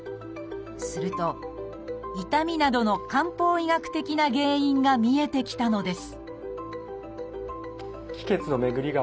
すると痛みなどの漢方医学的な原因が見えてきたのです